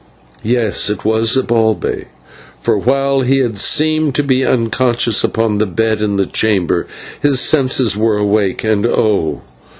Yes, it was Zibalbay, for while he had seemed to be unconscious upon the bed in the chamber, his senses were awake, and oh!